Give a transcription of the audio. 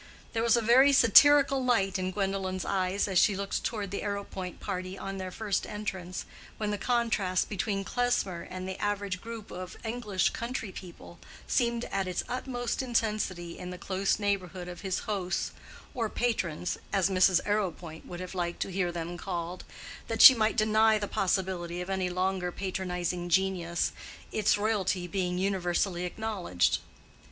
There was a very satirical light in Gwendolen's eyes as she looked toward the Arrowpoint party on their first entrance, when the contrast between Klesmer and the average group of English country people seemed at its utmost intensity in the close neighborhood of his hosts—or patrons, as Mrs. Arrowpoint would have liked to hear them called, that she might deny the possibility of any longer patronizing genius, its royalty being universally acknowledged.